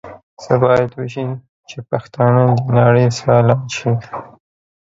څه بايد وشي چې پښتانهٔ د نړۍ سيالان شي؟